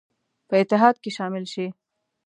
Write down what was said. په اتحاد کې شامل شي.